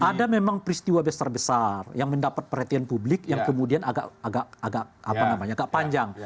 ada memang peristiwa besar besar yang mendapat perhatian publik yang kemudian agak panjang